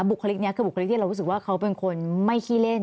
บุคลิกนี้คือบุคลิกที่เรารู้สึกว่าเขาเป็นคนไม่ขี้เล่น